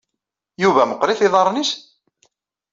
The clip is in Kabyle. Yuba meqqrit yiḍarren-is?